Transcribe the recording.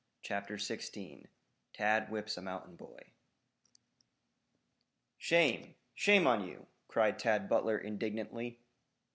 CHAPTER XVI TAD WHIPS A MOUNTAIN BOY "Shame! Shame on you!" cried Tad Butler indignantly.